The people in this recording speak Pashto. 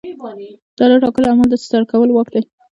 دا د ټاکلو اعمالو د ترسره کولو واک دی.